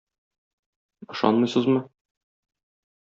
Ышанмыйсызмы?